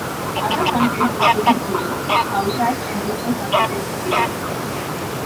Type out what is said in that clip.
Other content included game soundtracks and user-submitted demos.